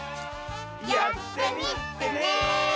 やってみてね！